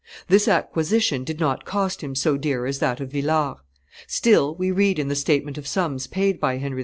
This acquisition did not cost him so dear as that of Villars: still we read in the statement of sums paid by Henry IV.